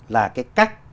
là cái cách